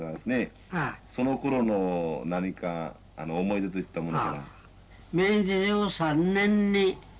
そのころの何か思い出といったもの」。